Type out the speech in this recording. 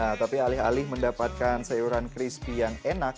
nah tapi alih alih mendapatkan sayuran crispy yang enak